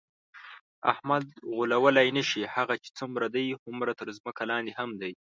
احمد غولولی نشې، هغه چې څومره دی هومره تر ځمکه لاندې هم دی.